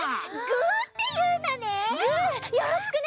ぐーよろしくね！